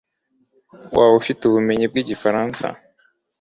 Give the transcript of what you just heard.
Waba ufite ubumenyi bwigifaransa?